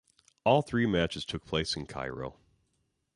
All three matches took place in Cairo.